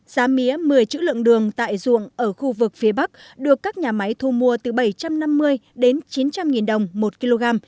giá mía một mươi chữ lượng đường tại ruộng ở khu vực phía bắc được các nhà máy thu mua từ bảy trăm năm mươi đến chín trăm linh đồng một kg